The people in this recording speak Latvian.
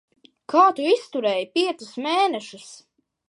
Kā tu izturēji piecus mēnešus?